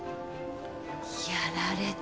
やられた。